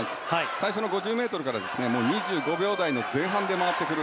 最初の５０ｍから２５秒台の前半で回ってくる。